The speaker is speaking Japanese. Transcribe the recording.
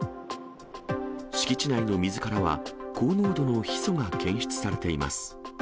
敷地内の水からは、高濃度のヒ素が検出されています。